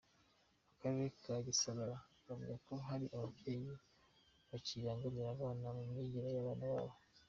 Akarere ka Gisagara gahamya ko hari ababyeyi bakibangamira abana mu myigire y’abana babo.